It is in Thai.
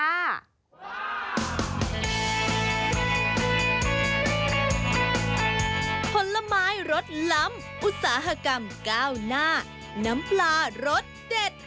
ผลไม้รสล้ำอุตสาหกรรมก้าวหน้าน้ำปลารสเด็ด